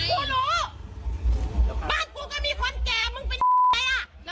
กูหนูบ้านกูก็มีคนแก่มึงเป็นแบ๊บอะไรอ่ะ